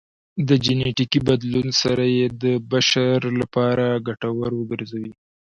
په جنیټیکي بدلون سره یې د بشر لپاره ګټور وګرځوي